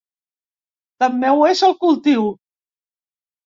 També ho és el cultiu.